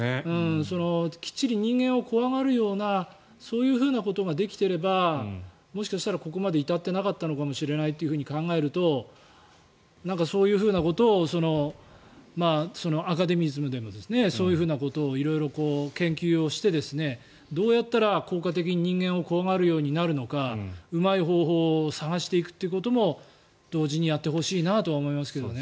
きっちり人間を怖がるようなそういうふうなことができてればもしかしたらここまで至っていなかったのかもしれないと考えるとそういうふうなことをアカデミズムでもそういうふうなことを色々、研究をしてどうやったら効果的に人間を怖がるようになるのかうまい方法を探していくということも同時にやってほしいなとは思いますけどね。